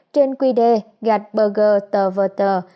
trên quy đề gạch bờ gờ tờ vờ tờ